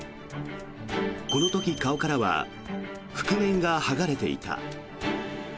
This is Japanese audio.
この時、顔からは覆面が剥がれていた。